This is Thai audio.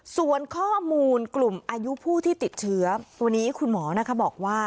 ส่วนข้อมูลกลุ่มอายุผู้ที่ติดเชื้อวันนี้คุณหมอนะคะบอกว่า